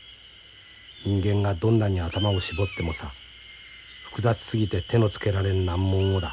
人間がどんなに頭を絞ってもさ複雑すぎて手のつけられん難問をだ